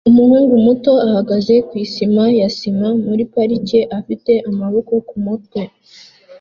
Umuhungu muto ahagaze ku isima ya sima muri parike afite amaboko ku mutwe